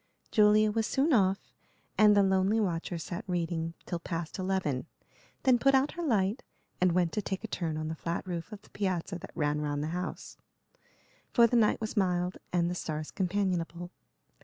Julia was soon off, and the lonely watcher sat reading till past eleven; then put out her light and went to take a turn on the flat roof of the piazza that ran round the house, for the night was mild and the stars companionable.